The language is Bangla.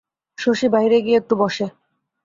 শশী বাহিরে গিয়া একটু বসে।